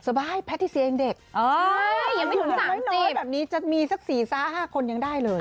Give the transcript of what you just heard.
สบายแพทย์ที่เซียงเด็กอ๋อยังไม่ถึงสามสิบแบบนี้จะมีสักสี่ซ้าห้าคนยังได้เลย